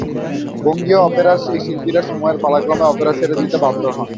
বঙ্গীয় অপেরার সেই শিল্পীরা সময়ের পালাক্রমে অপেরা ছেড়ে দিতে বাধ্য হন।